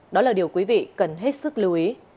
đó là điều quý vị cần hết sức lưu ý